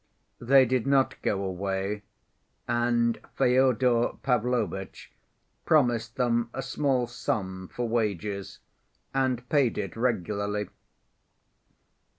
They did not go away, and Fyodor Pavlovitch promised them a small sum for wages, and paid it regularly.